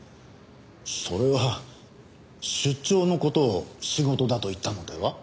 それは出張の事を仕事だと言ったのでは？